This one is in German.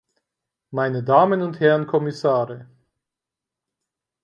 Meine Damen und Herren Kommissare!